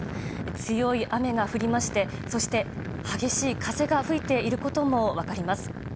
強い雨が降りましてそして激しい風が吹いていることも分かります。